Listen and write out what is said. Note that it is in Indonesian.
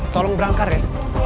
tolong berangkat ya